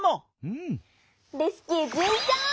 レスキューじゅんちょう！